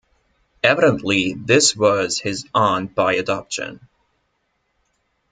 Evidently this was his aunt by adoption.